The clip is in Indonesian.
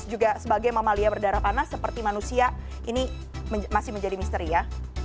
juga sebagai mamalia berdarah panas seperti manusia ini masih menjadi misteri ya